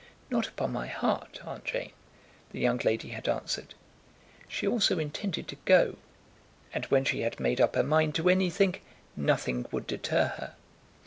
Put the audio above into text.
"Not upon my heart, Aunt Jane," the young lady had answered. She also intended to go, and when she had made up her mind to anything, nothing would deter her.